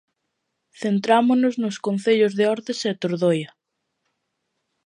Centrámonos nos concellos de Ordes e Tordoia.